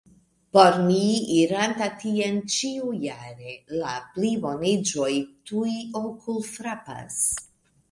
Por mi, iranta tien ĉiujare, la pliboniĝoj tuj okulfrapas.